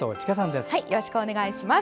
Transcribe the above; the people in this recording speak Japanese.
よろしくお願いします。